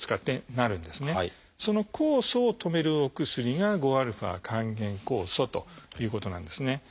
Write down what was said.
その酵素を止めるお薬が５α還元酵素ということなんですね。